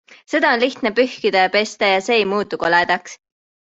Seda on lihtne pühkida ja pesta ja see ei muutu koledaks.